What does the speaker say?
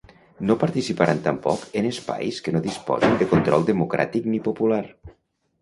No participaran tampoc en ‘espais que no disposen de control democràtic ni popular’.